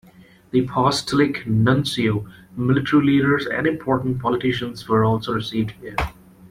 The Apostolic Nuncio, military leaders and important politicians were also received here.